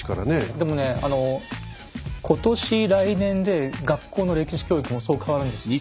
でもね今年来年で学校の歴史教育もそう変わるんですよ。